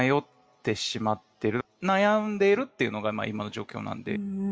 悩んでいるっていうのが今の状況なので。